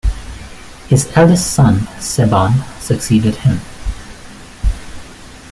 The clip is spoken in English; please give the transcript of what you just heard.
His eldest son, Saban, succeeded him.